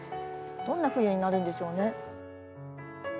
どんな冬になるんでしょうね？